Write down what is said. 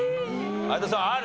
有田さんある。